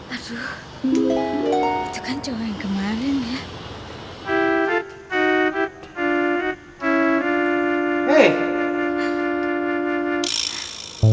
aduh itu kan cuma yang kemarin ya